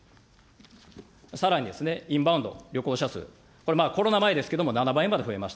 さらに、インバウンド、旅行者数、これコロナ前ですけれども、７倍まで増えました。